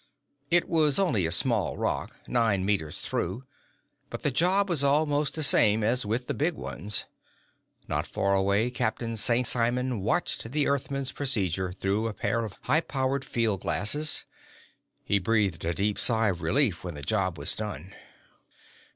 It was only a small rock, nine meters through, but the job was almost the same as with the big ones. Not far away, Captain St. Simon watched the Earthman's procedure through a pair of high powered field glasses. He breathed a deep sigh of relief when the job was done.